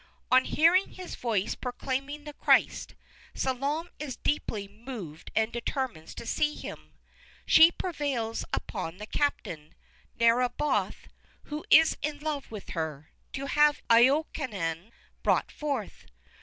On hearing his voice proclaiming the Christ, Salome is deeply moved and determines to see him. She prevails upon the captain, Narraboth, who is in love with her, to have Iokanaan brought forth.